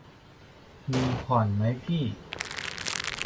มีผ่อน มั้ยพี่